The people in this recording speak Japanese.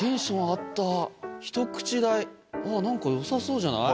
ひと口大何か良さそうじゃない。